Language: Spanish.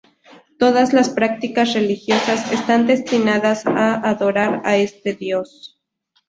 Todas las prácticas religiosas están destinadas a adorar a este Dios.